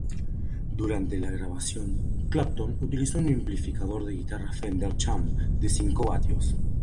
Durante la grabación, Clapton utilizó un amplificador de guitarra Fender Champ de cinco vatios.